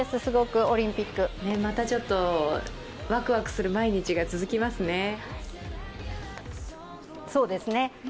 またワクワクする毎日が続きますね。